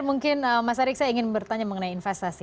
mungkin mas erick saya ingin bertanya mengenai investasi